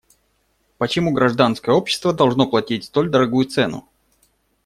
Почему гражданское общество должно платить столь дорогую цену?